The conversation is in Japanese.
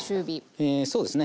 えそうですね。